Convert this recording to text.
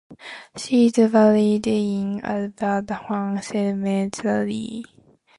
She is buried in Aberfan cemetery.